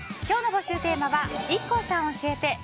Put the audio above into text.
今日の募集テーマはＩＫＫＯさん教えて！